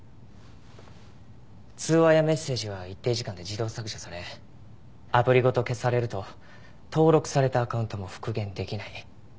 通話やメッセージは一定時間で自動削除されアプリごと消されると登録されたアカウントも復元できない。